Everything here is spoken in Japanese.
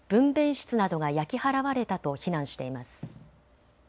室などが焼き払われたと非難しています。